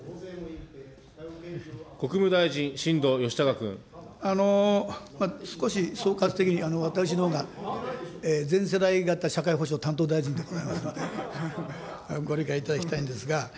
国務大臣、少し総括的に、私のほうが、全世代型社会保障担当大臣でございますので、ご理解いただきたいんですが。